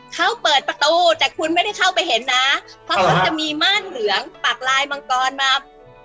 เขาเปิดประตูแต่คุณไม่ได้เข้าไปเห็นนะเพราะเขาจะมีม่านเหลืองปากลายมังกรมา